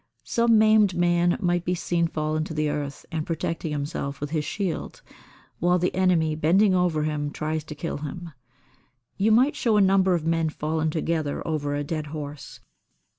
Some maimed man might be seen fallen to the earth and protecting himself with his shield, while the enemy, bending over him, tries to kill him. You might show a number of men fallen together over a dead horse.